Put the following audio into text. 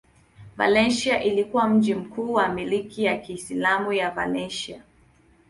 Valencia ilikuwa mji mkuu wa milki ya Kiislamu ya Valencia.